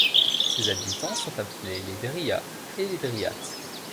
Ses habitants sont appelés les Dryats et les Dryates.